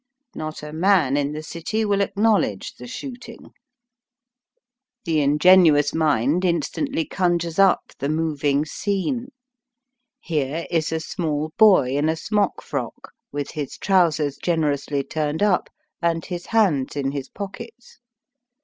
Not a man in the city will acknow ledge the shooting." Digitized by VjOOQIC 68 EAST BY "WEST. The ingenuous mind instantly conjures up the moving scene. Here is a small boy in a smockfrook with his trousers generously turned up, and his hands in his pockets.